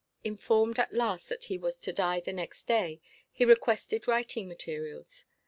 Informed at last that he was to die the next day, he requested writing materials.